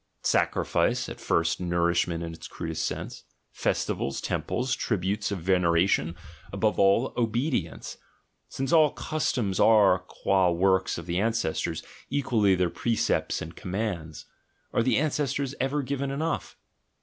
— Sacrifice (at first, nourishment, in its crude;! sense), festivals, temples, tributes of veneration, above all, obedience — since all customs are, qua works of the ancestors, equally their precepts and commands — are the ancestors ever given enough?